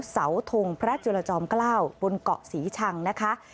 เสาทงพระจุลจอมเกล้าบนเกาะศรีชังนะคะ